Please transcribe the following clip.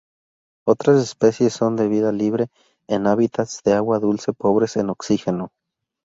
Otras especies son de vida libre en hábitats de agua dulce pobres en oxígeno.